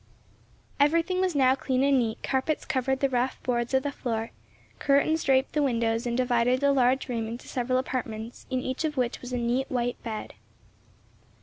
Everything was now clean and neat, carpets covered the rough boards of the floor, curtains draped the windows and divided the large room into several apartments, in each of which was a neat, white bed.